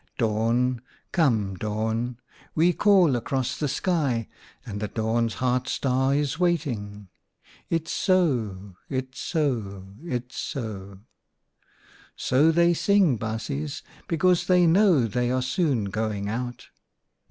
Dawn ! Come Dawn ! We call across the sky, And the Dawn's Heart Star is waiting. It's so ! It's so ! It's so !'" So they sing, baasjes, because they know they are soon going out.